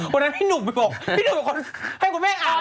วันนั้นพี่หนุ่มมันบอกพี่หนุ่มให้คุณแม่อ่าน